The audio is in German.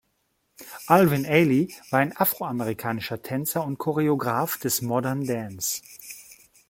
Alvin Ailey war ein afroamerikanischer Tänzer und Choreograf des Modern Dance.